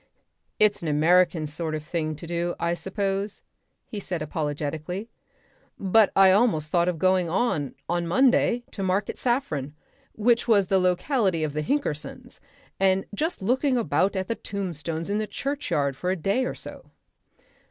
"It's an American sort of thing to do, I suppose," he said apologetically, "but I almost thought of going on, on Monday, to Market Saffron, which was the locality of the Hinkinsons, and just looking about at the tombstones in the churchyard for a day or so."